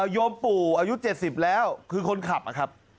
โยมปู่อายุ๗๐แล้วคือคนขับ